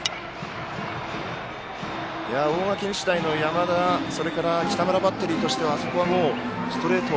大垣日大の山田、北村のバッテリーとしてはあそこは、もうストレート